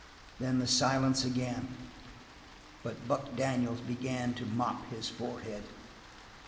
Then the silence again, but Buck Daniels began to mop his forehead.